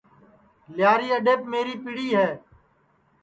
لیاری اڈؔیپ میری پڑی ہے